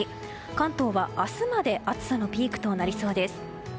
関東は、明日まで暑さのピークとなりそうです。